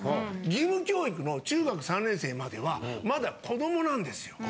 義務教育の中学３年生まではまだ子どもなんですよ。